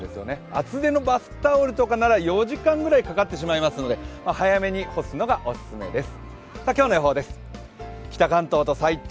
厚手のバスタオルとかなら４時間ぐらいかかってしまいますので、早めに干すのがオススメです。